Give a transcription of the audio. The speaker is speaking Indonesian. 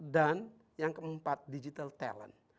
dan yang keempat digital talent